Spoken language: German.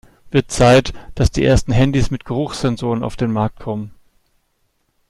Wird Zeit, dass die ersten Handys mit Geruchssensoren auf den Markt kommen!